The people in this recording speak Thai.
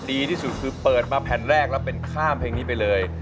ดีที่สุดคือเปิดมาแผ่นแรกแล้วเป็นข้ามเพลงนี้ไปเลย